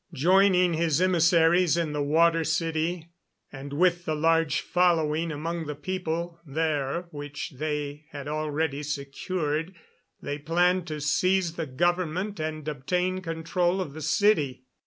Joining his emissaries in the Water City, and with the large following among the people there which they had already secured, they planned to seize the government and obtain control of the city.